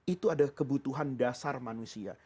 itu adalah kebutuhan dasar manusia